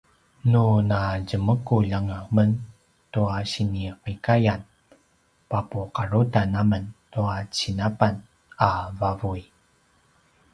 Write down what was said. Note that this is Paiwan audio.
nu natjemekulj anga men tua sinikiqayam papuqarutan amen tua cinapan a vavuy